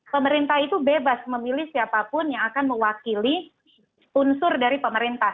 pemerintah itu bebas memilih siapapun yang akan mewakili unsur dari pemerintah